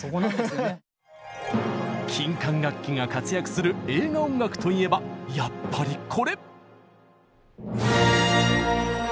金管楽器が活躍する映画音楽といえばやっぱりこれ！